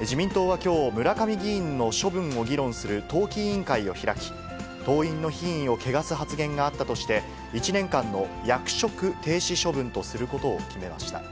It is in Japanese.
自民党はきょう、村上議員の処分を議論する党紀委員会を開き、党員の品位をけがす発言があったとして、１年間の役職停止処分とすることを決めました。